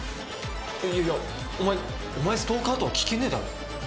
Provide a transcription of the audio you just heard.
いやいや「お前お前ストーカー？」とは聞けねえだろ。